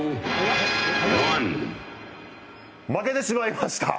負けてしまいました。